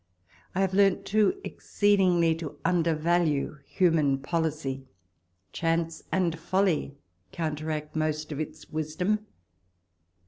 I have learnt, too, exceedingly to undervalue human policy. Chance and folly counteract most of its wisdom.